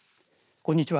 こんにちは。